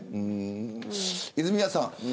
泉谷さん